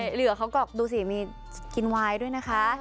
เหลือกเหลือกเขาก็ดูสิมีกินไวน์ด้วยนะคะ